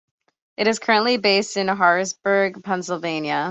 It is currently based in Harrisburg, Pennsylvania.